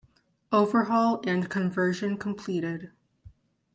Overhaul and conversion completed.